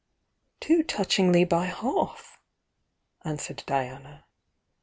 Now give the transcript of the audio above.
"Too touchingly by half!" answered Diana.